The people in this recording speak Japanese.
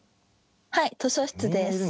はい図書室です。